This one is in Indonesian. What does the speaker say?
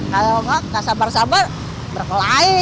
kalau nggak sabar sabar berkelahi